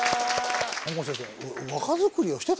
本郷先生。